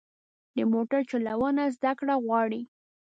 د موټر چلوونه زده کړه غواړي.